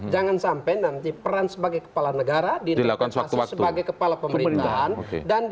jangan sampai nanti peran sebagai kepala negara dilakukan suatu sebagai kepala pemerintahan dan